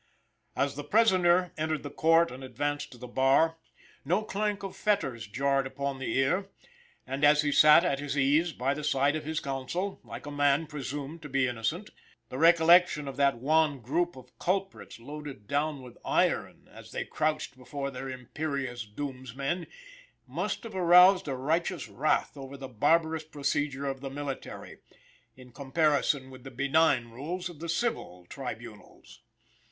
As the prisoner entered the court and advanced to the bar, no clank of fetters jarred upon the ear; and, as he sat at his ease by the side of his counsel, like a man presumed to be innocent, the recollection of that wan group of culprits, loaded down with iron, as they crouched before their imperious doomsmen, must have aroused a righteous wrath over the barbarous procedure of the military, in comparison with the benign rules of the civil, tribunals.